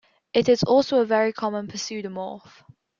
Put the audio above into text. It is also a very common pseudomorph.